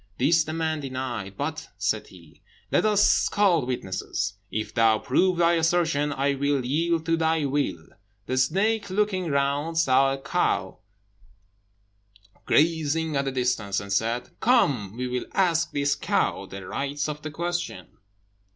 This the man denied. "But," said he, "let us call witnesses: if thou prove thy assertion, I will yield to thy will." The snake, looking round, saw a cow grazing at a distance, and said, "Come, we will ask this cow the rights of the question."